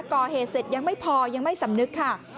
ก่อเหตุเสร็จยังไม่พอยังไม่สำนึกค่ะ